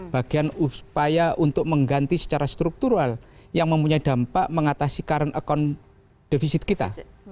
bagian upaya untuk mengganti secara struktural yang mempunyai dampak mengatasi current account defisit kita